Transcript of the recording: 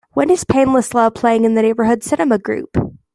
When is Painless Love playing in the Neighborhood Cinema Group